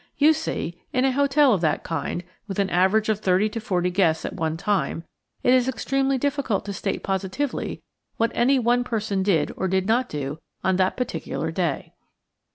You see, in a hotel of that kind, with an average of thirty to forty guests at one time, it is extremely difficult to state positively what any one person did or did not do on that particular day.